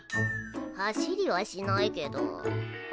走りはしないけど。